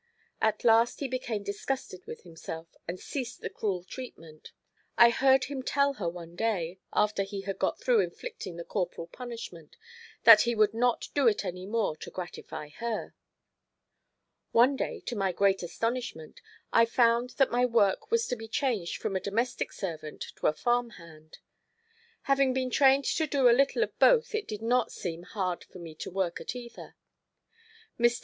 At last he became disgusted with himself and ceased the cruel treatment. I heard him tell her one day—after he had got through inflicting the corporal punishment—that he would not do it any more to gratify her. One day, to my great astonishment, I found that my work was to be changed from a domestic servant to a farm hand. Having been trained to do a little of both it did not seem hard for me to work at either. Mr.